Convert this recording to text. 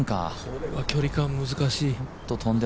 これは距離感、難しい。